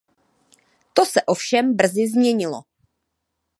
To se ovšem brzy změnilo.